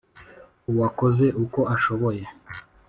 Uwakoze uko ashoboye